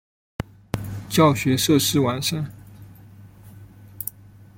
教学设施完善。